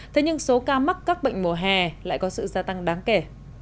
thế nhưng số ca mắc các bệnh mùa hè lại có sự gia tăng đáng kể